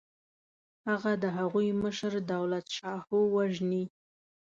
هغه د هغوی مشر دولتشاهو وژني.